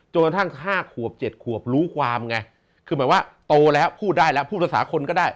กระทั่ง๕ขวบ๗ขวบรู้ความไงคือหมายว่าโตแล้วพูดได้แล้วพูดภาษาคนก็ได้